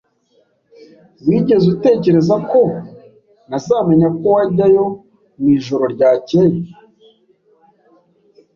Wigeze utekereza ko ntazamenya ko wajyayo mwijoro ryakeye?